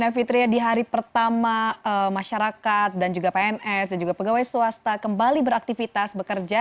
fitria di hari pertama masyarakat dan juga pns dan juga pegawai swasta kembali beraktivitas bekerja